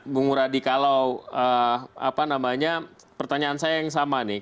bung muradi kalau pertanyaan saya yang sama nih